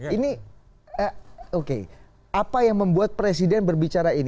ini oke apa yang membuat presiden berbicara ini